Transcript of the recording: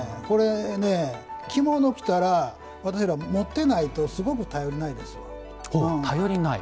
着物着たら、私ら持ってないとすごく頼りないですよ。